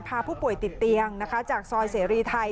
พาผู้ป่วยติดเตียงนะคะจากซอยเสรีไทย